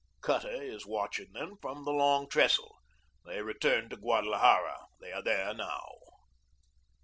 "Cutter is watching them from the Long Trestle. They returned to Guadalajara. They are there now."